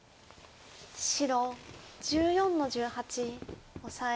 白１４の十八オサエ。